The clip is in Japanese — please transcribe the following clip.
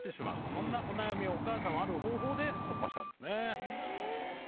そんなお悩みをお母さんはある方法で突破したんですね。